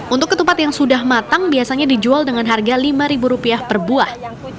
untuk ketupat yang sudah matang biasanya dijual dengan harga lima rupiah per buah